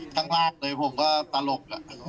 ข้างล่างเลยผมก็ตลก